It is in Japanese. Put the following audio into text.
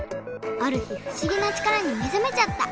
ある日不思議な力に目ざめちゃった。